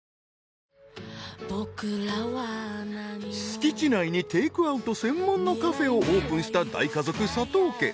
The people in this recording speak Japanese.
敷地内にテイクアウト専門のカフェをオープンした大家族佐藤家。